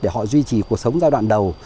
để họ duy trì cuộc sống giai đoạn đầu